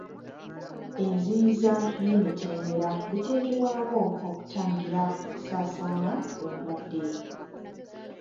Enziyiza n'emitendera biteekebwawo okutangira okusaasaana kw'endwadde.